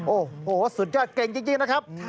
โอ้โหสุดยอดเก่งจริงนะครับ